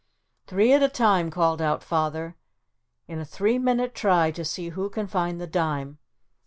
"Three at a time," called out Father, "in a three minute try to see who can find the dime.